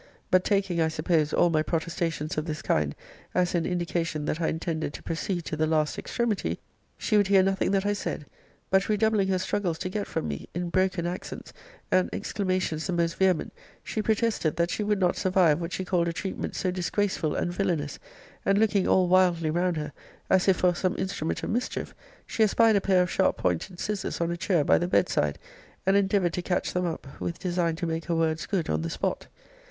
But taking, I suppose, all my protestations of this kind as an indication that I intended to proceed to the last extremity, she would hear nothing that I said; but, redoubling her struggles to get from me, in broken accents, and exclamations the most vehement, she protested, that she would not survive what she called a treatment so disgraceful and villanous; and, looking all wildly round her, as if for some instrument of mischief, she espied a pair of sharp pointed scissors on a chair by the bed side, and endeavoured to catch them up, with design to make her words good on the spot.